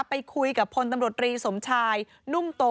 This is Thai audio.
ไปคุยกับพลตำรวจรีสมชายนุ่มโต